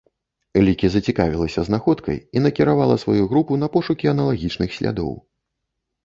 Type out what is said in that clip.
Лікі зацікавілася знаходкай і накіравала сваю групу на пошукі аналагічных слядоў.